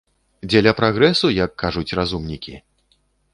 Дзеля прагрэсу, як кажуць разумнікі?